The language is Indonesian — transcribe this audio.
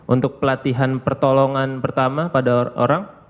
untuk pelatihan pertolongan pertama pada orang